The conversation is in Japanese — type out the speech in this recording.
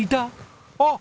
あっ！